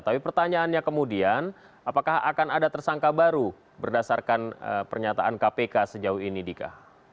tapi pertanyaannya kemudian apakah akan ada tersangka baru berdasarkan pernyataan kpk sejauh ini dika